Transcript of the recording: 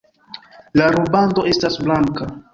La rubando estas blanka.